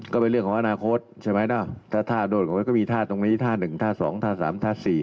ก็เป็นเรื่องของอนาคตถ้าถ้าโดดของเขาก็มีถ้าตรงนี้ถ้า๑ถ้า๒ถ้า๓ถ้า๔